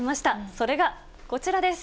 それがこちらです。